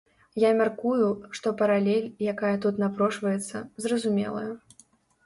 Я мяркую, што паралель, якая тут напрошваецца, зразумелая.